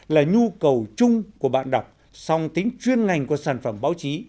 là nhu cầu chung của bạn đọc song tính chuyên ngành của sản phẩm báo chí